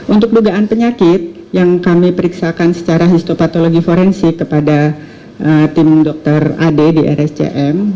untuk dugaan penyakit yang kami periksakan secara histopatologi forensik kepada tim dokter ad di rscm